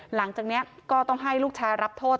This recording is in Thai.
หลังจากนี้ก็ต้องให้ลูกชายรับโทษ